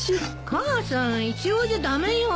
母さん一応じゃ駄目よ。